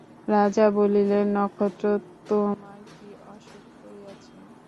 রাজা বলিলেন, নক্ষত্র, তোমার কি অসুখ করিয়াছে?